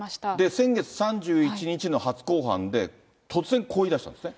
先月３１日の初公判で突然、こう言い出したんですね。